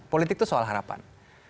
politik itu soal harapan